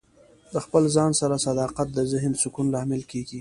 د خپل ځان سره صداقت د ذهن سکون لامل کیږي.